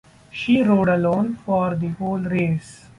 She rode alone for the whole race.